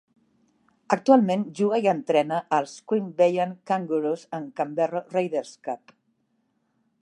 Actualment juga i entrena als Queanbeyan Kangaroos en Canberra Raiders cup.